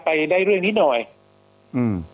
ไปได้เรื่องนี้หน่อยอืม